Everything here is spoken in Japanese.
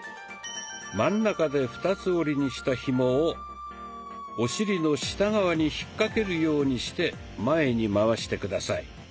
真ん中で二つ折りにしたひもをお尻の下側に引っ掛けるようにして前にまわして下さい。